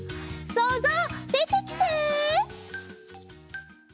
そうぞうでてきて！